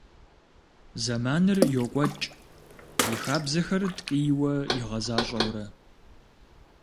Зэманыр йокӏуэкӏ, и хабзэхэр ткӏийуэ игъэзащӏэурэ.